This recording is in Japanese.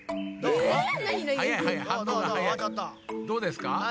どうですか？